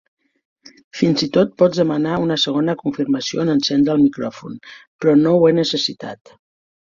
Fins i tot pots demanar una segona confirmació en encendre el micròfon, però no ho he necessitat.